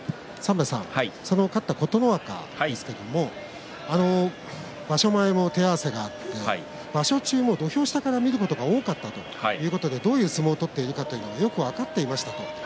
勝った琴ノ若ですけれども場所前も手合わせがあって場所中も土俵下から見ることが多かったということでどういう相撲を取っているかよく分かってました。